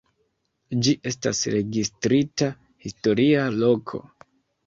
Ĝi estas registrita historia loko.